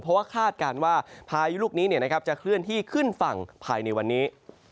เพราะว่าคาดการณ์ว่าพายุลูกนี้จะเคลื่อนที่ขึ้นฝั่งภายในวันนี้